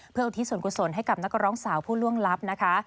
เพื่ออุทิศส่วนกุศลให้กับนักร้องสาวผู้ล่วงลับนะคะ